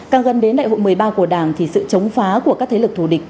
càng gần đến đại hội một mươi ba của đảng thì sự chống phá của các thế lực thù địch